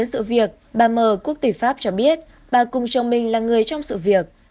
liên quan tới sự việc bà m quốc tỷ pháp cho biết bà cùng chồng mình là người trong sự việc